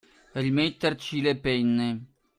Rimetterci le penne.